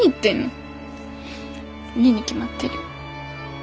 いいに決まってる。